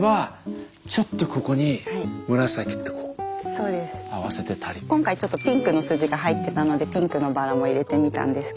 僕ならせっかくと思えば今回ちょっとピンクの筋が入ってたのでピンクのバラも入れてみたんですけど。